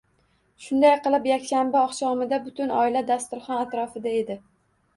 Shunday qilib, yakshanba oqshomida butun oila dasturxon atrofida edi